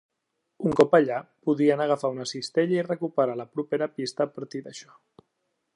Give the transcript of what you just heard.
Un cop allà, podien agafar una cistella i recuperar la propera pista a partir d'això.